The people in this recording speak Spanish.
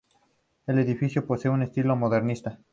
El edificio posee un estilo modernista.